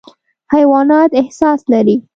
حیوانات احساس لري.